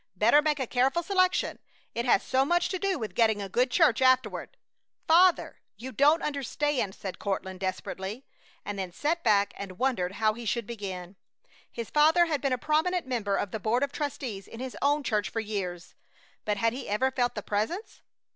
Better make a careful selection; it has so much to do with getting a good church afterward!" "Father! You don't understand!" said Courtland, desperately, and then sat back and wondered how he should begin. His father had been a prominent member of the board of trustees in his own church for years, but had he ever felt the Presence?